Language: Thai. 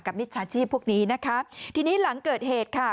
มิจฉาชีพพวกนี้นะคะทีนี้หลังเกิดเหตุค่ะ